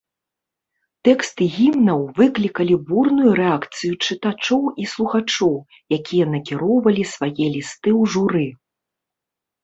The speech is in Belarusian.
Тэксты гімнаў выклікалі бурную рэакцыю чытачоў і слухачоў, якія накіроўвалі свае лісты ў журы.